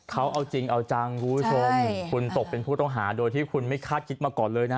เขาเอาจริงเอาจังคุณผู้ชมคุณตกเป็นผู้ต้องหาโดยที่คุณไม่คาดคิดมาก่อนเลยนะ